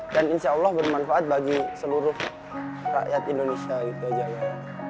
dan insya allah bermanfaat bagi seluruh rakyat indonesia gitu aja ya